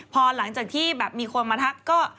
พอหลังจากที่แบบมีคนมาทักก็